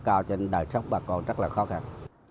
cho nên đời sống bà con rất là khó khăn